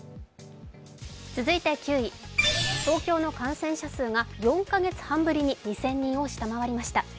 続いて９位、東京の感染者数が４カ月半ぶりに２０００人を下回りました。